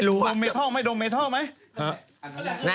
ดมเมท่อไหมดมเมท่อไหม